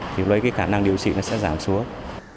thì với cái khả năng điều trị nó sẽ giảm xuống